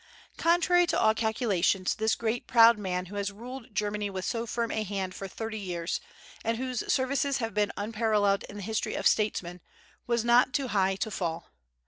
Contrary to all calculations, this great proud man who has ruled Germany with so firm a hand for thirty years, and whose services have been unparalleled in the history of statesmen, was not too high to fall.